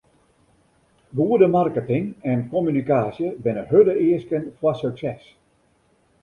Goede marketing en kommunikaasje binne hurde easken foar sukses.